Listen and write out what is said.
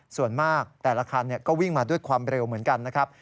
ส่วนมากแต่ละคันก็วิ่งมาด้วยความเร็วเหมือนกันนะครับ